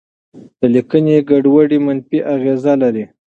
د لیکنې ګډوډي منفي اغېزه لري.